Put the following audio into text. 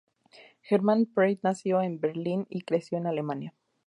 Hermann Prey nació en Berlín y creció en Alemania.